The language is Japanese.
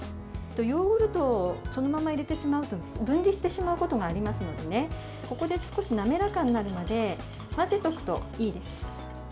ヨーグルトをそのまま入れてしまうと分離してしまうこともありますのでここで少し滑らかになるまで混ぜておくといいです。